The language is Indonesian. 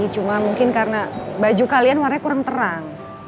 cuma mungkin karena baju kalian warnanya kurang terang